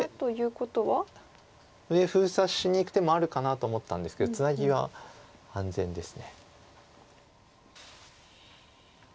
ここで上封鎖しにいく手もあるかなと思ったんですけどツナギは安全です。